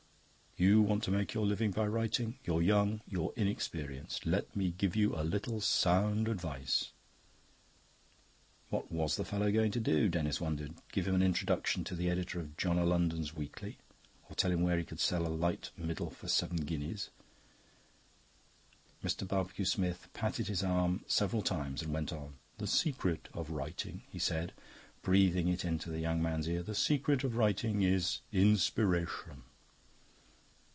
"You want to make your living by writing; you're young, you're inexperienced. Let me give you a little sound advice." What was the fellow going to do? Denis wondered: give him an introduction to the editor of "John o' London's Weekly", or tell him where he could sell a light middle for seven guineas? Mr. Barbecue Smith patted his arm several times and went on. "The secret of writing," he said, breathing it into the young man's ear "the secret of writing is Inspiration."